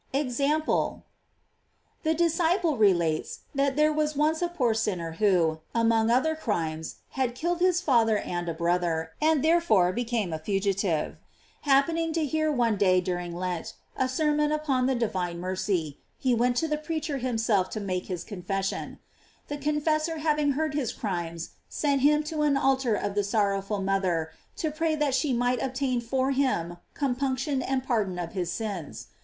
EXAMPLE. The Disciple relates^ that there was once a poor sinner who, among other crimes, had kill ed his father and a brother, and therefore be came a fugitive. Happening to hear one day during Lent, a sermon upon the divine mercy, he went to the preacher himself to make his con fession. The confessor having heard his crimes, sent him to an altar of the sorrowful mother to pray that she might obtain for him compunction and pardon of his sins.